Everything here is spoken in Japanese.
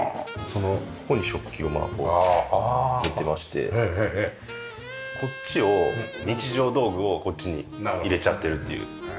ここに食器をこう置いてましてこっちを日常道具をこっちに入れちゃってるっていう。